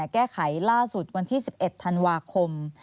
แก้ไขล่าสุดวันที่๑๑ธันวาคม